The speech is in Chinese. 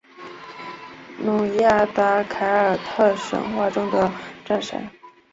努亚达凯尔特神话中的战神。